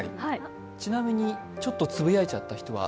ちなみに、ちょっとつぶやいちゃった人は？